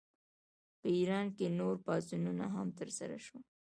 په ایران کې نور پاڅونونه هم ترسره شول.